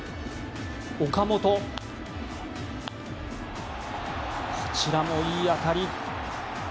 岡本、こちらもいい当たり。